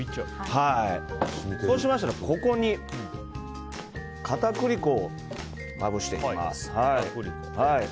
そうしましたら、ここに片栗粉をまぶしていきます。